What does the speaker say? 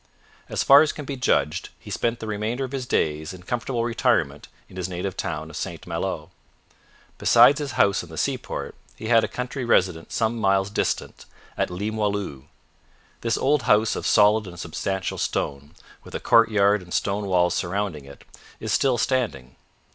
As far as can be judged, he spent the remainder of his days in comfortable retirement in his native town of St Malo. Besides his house in the seaport he had a country residence some miles distant at Limoilou. This old house of solid and substantial stone, with a courtyard and stone walls surrounding it, is still standing.